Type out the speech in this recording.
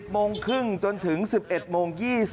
โมงครึ่งจนถึง๑๑โมง๒๐